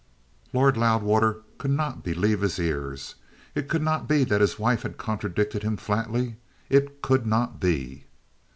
Lord Loudwater could not believe his ears. It could not be that his wife had contradicted him flatly. It could not be.